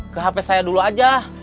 ke hp saya dulu aja